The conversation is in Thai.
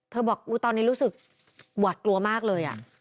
บอกตอนนี้รู้สึกหวาดกลัวมากเลย